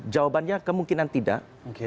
jawabannya kemungkinan tidak